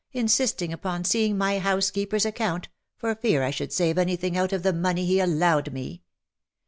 insisting upon seeing my housekeeper's account, for fear I should save any thing out of the money he allowed me